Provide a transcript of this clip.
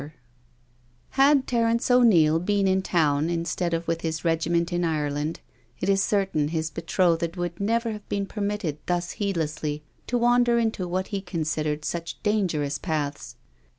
3" 31^ NO SURRENDER Had Terence O'Neil been in Town instead of with his regiment in Ireland, it is certain his betrothed would never have been permitted thus heedlessly to wander into what he considered such dangerous paths.